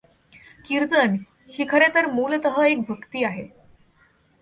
कीर्तन ही खरेतर मूलतः एक भक्ती आहे.